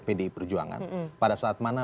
pdi perjuangan pada saat mana